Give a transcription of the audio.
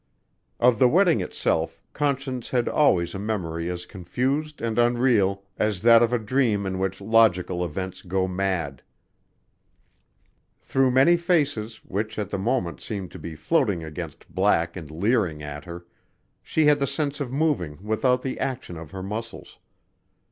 Of the wedding itself, Conscience had always a memory as confused and unreal as that of a dream in which logical events go mad. Through many faces, which at the moment seemed to be floating against black and leering at her, she had the sense of moving without the action of her muscles....